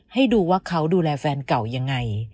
ให้ดูว่าเขาดูแลแฟนเก่ายังไง